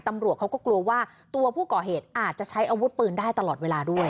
ตำรวจเขาก็กลัวว่าตัวผู้ก่อเหตุอาจจะใช้อาวุธปืนได้ตลอดเวลาด้วย